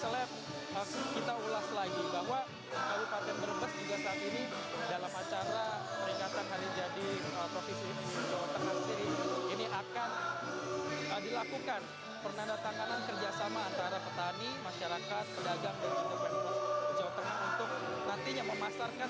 dan kalau misalnya kita ulas lagi bahwa kabupaten brebes juga saat ini dalam acara peringatan hari jadi provinsi jawa tengah sendiri ini akan dilakukan pernandatanganan kerjasama antara petani masyarakat pedagang dan juga pempros jawa tengah untuk nantinya memasarkan